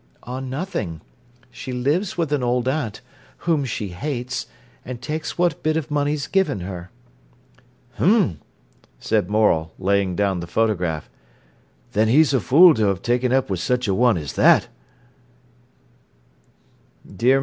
"On nothing. She lives with an old aunt, whom she hates, and takes what bit of money's given her." "H'm!" said Morel, laying down the photograph. "Then he's a fool to ha' ta'en up wi' such a one as that."